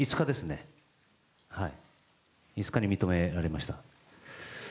５日に認められました。